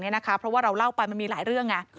เพราะว่าเราเล่าไปมันมีหลายเรื่องไง